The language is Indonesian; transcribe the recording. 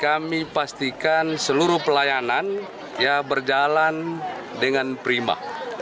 kami pastikan seluruh pelayanan berjalan dengan prima